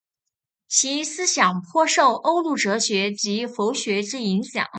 其思想颇受欧陆哲学及佛学之影响。